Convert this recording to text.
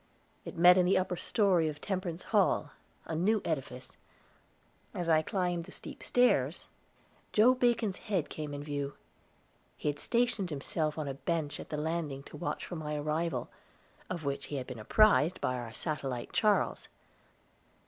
It met in the upper story of Temperance Hall a new edifice. As I climbed the steep stairs, Joe Bacon's head came in view; he had stationed himself on a bench at the landing to watch for my arrival, of which he had been apprized by our satellite, Charles.